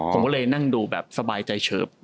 ผมก็เลยนั่งดูแบบสบายใจเฉิบ